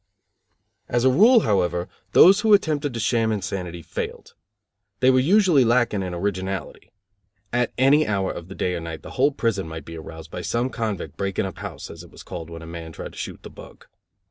As a rule, however, those who attempted to sham insanity failed. They were usually lacking in originality. At any hour of the day or night the whole prison might be aroused by some convict breaking up house, as it was called when a man tried to shoot the bug.